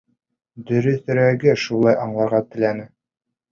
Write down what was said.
Дөрөҫөрәге, шулай аңларға теләне.